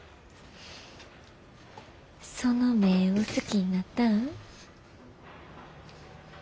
その目ぇを好きになったん？